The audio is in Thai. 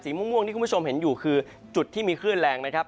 ม่วงที่คุณผู้ชมเห็นอยู่คือจุดที่มีคลื่นแรงนะครับ